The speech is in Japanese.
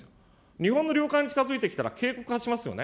日本の領海に近づいてきたら、警告発しますよね。